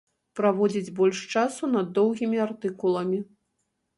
Праводзіць больш часу над доўгімі артыкуламі.